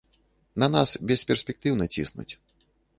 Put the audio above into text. На нас бесперспектыўна ціснуць.